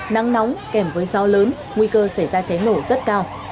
nắng nóng kèm với gió lớn nguy cơ xảy ra cháy nổ rất cao